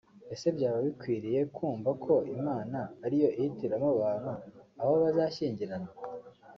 Ese byaba bikwiriye kumva ko Imana ari yo ihitiramo abantu abo bazashyingiranwa